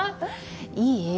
いい？